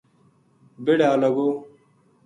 بہڑے آ لگو